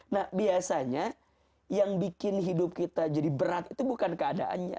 nah biasanya yang bikin hidup kita jadi berat itu bukan keadaannya